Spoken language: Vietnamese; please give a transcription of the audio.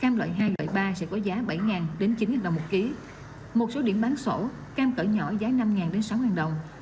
một số điểm bán sổ cam cỡ nhỏ giá năm đến sáu đồng